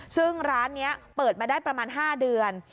ซึ่งร้านนี้เปิดมาได้ประมาณ๕เดือน